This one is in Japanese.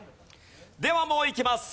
ではもういきます。